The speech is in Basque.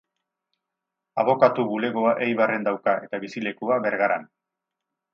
Abokatu bulegoa Eibarren dauka, eta bizilekua Bergaran.